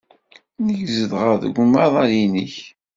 Nekk zedɣeɣ deg umaḍal-nnek.